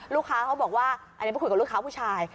เขาบอกว่าอันนี้ไปคุยกับลูกค้าผู้ชาย